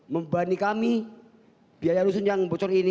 membani kami biaya rusun yang bocor ini